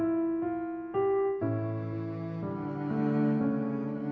suara durmit bapak pun tak prostok ya